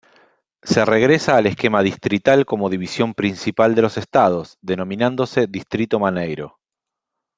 Se regresa al esquema distrital como división principal de los estados, denominándose Distrito Maneiro.